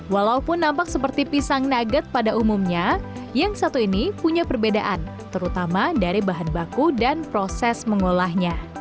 walaupun nampak seperti pisang nugget pada umumnya yang satu ini punya perbedaan terutama dari bahan baku dan proses mengolahnya